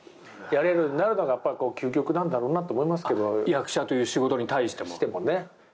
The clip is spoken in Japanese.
役者という仕事に対しても。